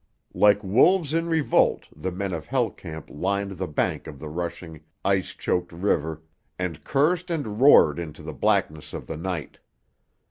Like wolves in revolt the men of "Hell Camp" lined the bank of the rushing, ice choked river and cursed and roared into the blackness of the night.